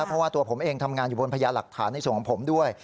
เพราะว่าตัวผมเองทำงานอยู่บนพญาหลักฐานในส่วนของผมด้วย